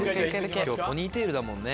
今日ポニーテールだもんね。